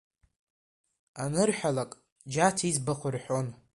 Анырҳәалак, Џьаҭ иӡбахә рҳәон.